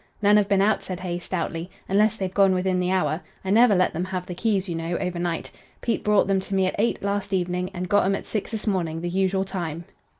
"None have been out," said Hay, stoutly, "unless they've gone within the hour. I never let them have the keys, you know, over night. Pete brought them to me at eight last evening and got 'em at six this morning, the usual time."